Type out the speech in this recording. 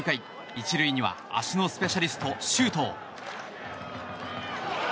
１塁には足のスペシャリスト、周東。